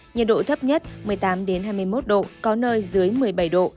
nhiệt độ thấp nhất một mươi tám hai mươi một độ có nơi dưới một mươi bảy độ